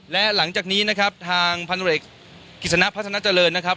และหลังจากนี้นะครับทางพันธุรกิจกิจสนะพัฒนาเจริญนะครับ